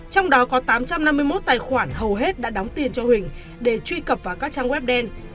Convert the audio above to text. trong đó có tám trăm năm mươi một tài khoản hầu hết đã đóng tiền cho huỳnh để truy cập vào các trang web đen